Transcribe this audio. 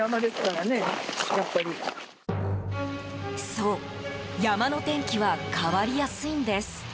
そう、山の天気は変わりやすいんです。